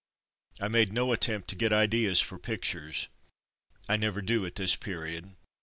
I made no attempt to get ideas for pictures; — I never do, at this period.